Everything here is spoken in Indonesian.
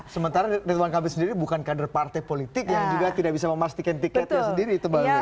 sementara ridwan kamil sendiri bukan kader partai politik yang juga tidak bisa memastikan tiketnya sendiri tebalnya